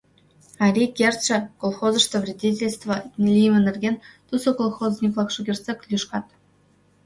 «Марий кертше» колхозышто вредительство лийме нерген тусо колхозник-влак шукертсек лӱшкат: